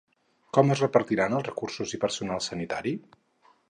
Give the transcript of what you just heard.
Com es repartiran els recursos i personal sanitari?